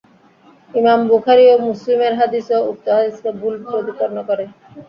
ইমাম বুখারী ও মুসলিমের হাদীসও উক্ত হাদীসকে ভুল প্রতিপন্ন করে।